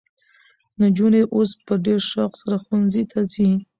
نجونې اوس په ډېر شوق سره ښوونځي ته ځي.